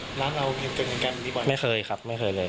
กับร้านเรามีเกินกันกันอย่างนี้กว่าไม่เคยครับไม่เคยเลย